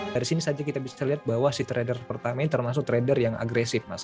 dari sini saja kita bisa lihat bahwa si trader pertama ini termasuk trader yang agresif mas